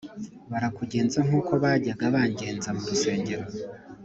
Barakugenza nk uko bajyaga bangenza mu rusengero